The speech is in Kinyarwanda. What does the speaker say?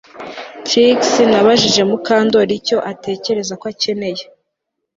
Trix yabajije Mukandoli icyo atekereza ko akeneye